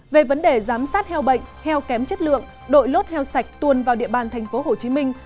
về vấn đề giám sát heo bệnh heo kém chất lượng đội lốt heo sạch tuồn vào địa bàn thành phố hồ chí minh